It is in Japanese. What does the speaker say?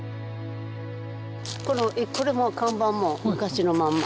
これも看板も昔のまんま。